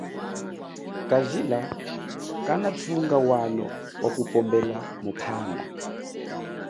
Kajila kanathunga walo waku pombela muphanda.